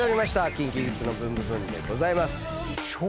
『ＫｉｎＫｉＫｉｄｓのブンブブーン！』です。